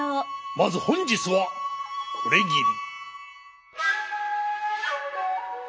まず本日はこれぎり。